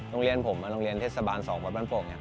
โรงเรียนผมโรงเรียนเทศบาล๒บปอย่างนี้